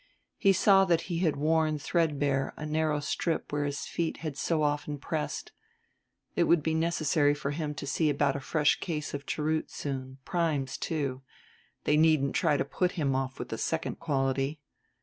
He saw that he had worn threadbare a narrow strip where his feet had so often pressed. It would be necessary for him to see about a fresh case of cheroots soon, primes, too; they needn't try to put him off with the second quality.